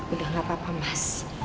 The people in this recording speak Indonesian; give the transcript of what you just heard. udah gak apa apa mas